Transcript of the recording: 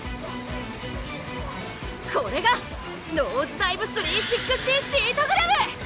これがノーズダイブ・３６０・シートグラブ！